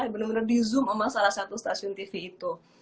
benar benar di zoom sama salah satu stasiun tv itu